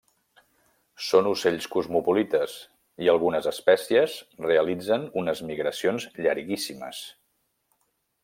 Són ocells cosmopolites i algunes espècies realitzen unes migracions llarguíssimes.